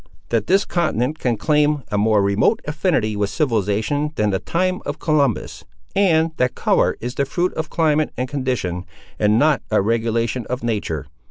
that this continent can claim a more remote affinity with civilisation than the time of Columbus, and that colour is the fruit of climate and condition, and not a regulation of nature.